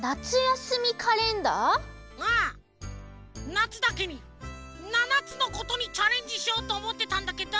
なつだけにななつのことにチャレンジしようとおもってたんだけど。